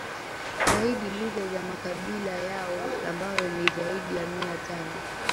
zaidi lugha za makabila yao ambayo ni zaidi ya Mia tano